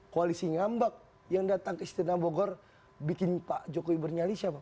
koalisi ngambak yang datang ke istana bogor bikin pak jokowi bernyali siapa